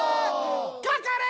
かかれ！！